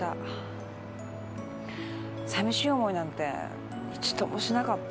さみしい思いなんて一度もしなかった。